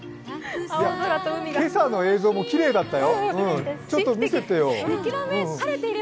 今朝の映像もきれいだったよ、ちょっと見せてよ。